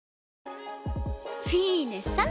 フィーネさん。